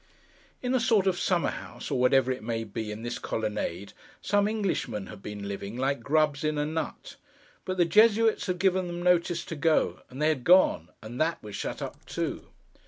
In a sort of summer house, or whatever it may be, in this colonnade, some Englishmen had been living, like grubs in a nut; but the Jesuits had given them notice to go, and they had gone, and that was shut up too.